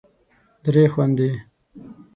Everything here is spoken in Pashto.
درې خوندې